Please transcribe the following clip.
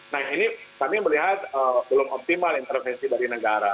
nah ini kami melihat belum optimal intervensi dari negara